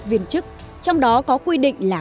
viên chức trong đó có quy định là